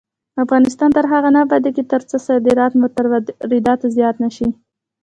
افغانستان تر هغو نه ابادیږي، ترڅو صادرات مو تر وارداتو زیات نشي.